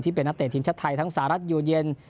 เป็นนักเตะทีมชาติไทยทั้งสหรัฐอยู่เย็น